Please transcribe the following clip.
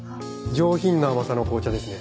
上品な甘さの紅茶ですね。